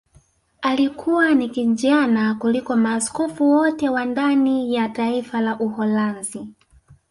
Alikuwa ni kijana kuliko maaskofu wote wa ndani ya taifa la Uholanzi